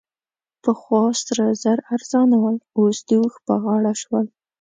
پخوا سره زر ارزانه ول؛ اوس د اوښ په غاړه شول.